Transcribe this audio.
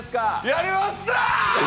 やりました！